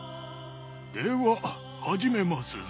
では始めますぞ。